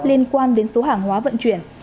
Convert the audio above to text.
liên quan đến số hàng hóa vận chuyển